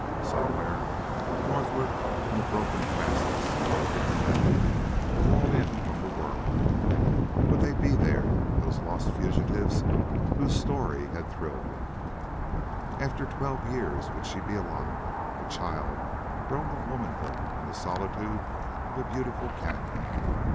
Somewhere northward in the broken fastnesses lay hidden a valley walled in from the world. Would they be there, those lost fugitives whose story had thrilled him? After twelve years would she be alive, a child grown to womanhood in the solitude of a beautiful cañon?